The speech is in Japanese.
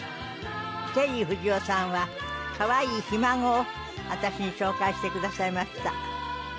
ジェリー藤尾さんは可愛いひ孫を私に紹介してくださいました。